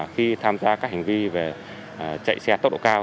khi tham gia các hành vi về chạy xe tốc độ cao